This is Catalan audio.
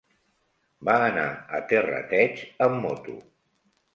Va anar a Terrateig amb moto.